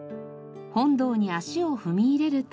本堂に足を踏み入れると。